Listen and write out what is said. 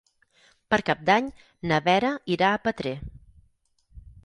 Per Cap d'Any na Vera irà a Petrer.